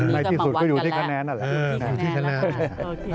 ในที่สุดก็อยู่ที่คะแนนนั่นแหละ